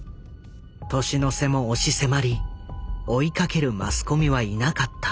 年の瀬も押し迫り追いかけるマスコミはいなかった。